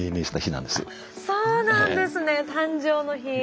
そうなんですね誕生の日。